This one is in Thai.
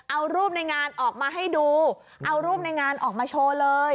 เอารูปในงานออกมาให้ดูเอารูปในงานออกมาโชว์เลย